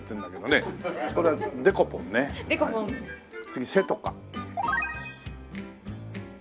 次せとか。